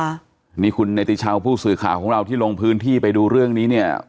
ค่ะนี่คุณเนติชาวผู้สื่อข่าวของเราที่ลงพื้นที่ไปดูเรื่องนี้เนี่ย